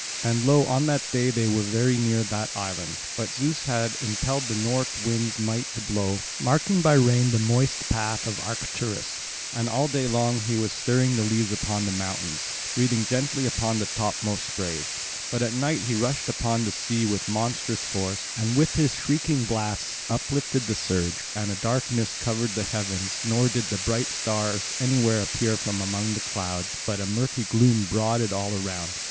And lo, on that day they were very near that island. But Zeus had impelled the north wind's might to blow, marking by rain the moist path of Arcturus; and all day long he was stirring the leaves upon the mountains, breathing gently upon the topmost sprays; but at night he rushed upon the sea with monstrous force, and with his shrieking blasts uplifted the surge; and a dark mist covered the heavens, nor did the bright stars anywhere appear from among the clouds, but a murky gloom brooded all around.